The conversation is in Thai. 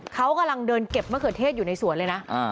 เขากำลังเดินเก็บมะเขือเทศอยู่ในสวนเลยนะ